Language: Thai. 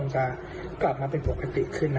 จะกลับมาเป็นปกติขึ้น